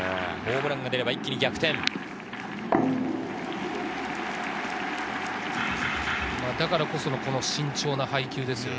ホームランが出れば逆転です。